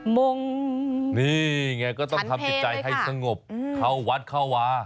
งงนี่ไงก็ต้องทำจิตใจให้สงบเข้าวัดเข้าวา